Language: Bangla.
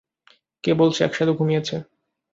কে বলছে একসাথে ঘুমিয়েছে?